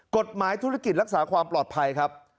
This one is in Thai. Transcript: กฎหมายธุรกิจรักษาความปลอดภัยครับ